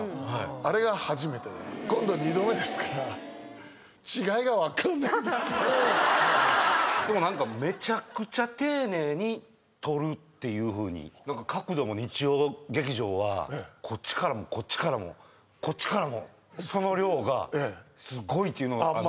あれが初めてで今度２度目ですからでも何かっていうふうに何か角度も日曜劇場はこっちからもこっちからもこっちからもその量がすごいっていうのをあっま